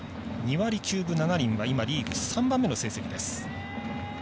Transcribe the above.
２割９分７厘は今、リーグ３番目の成績です。